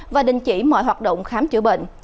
và đình chỉ mọi hoạt động khám chữa bệnh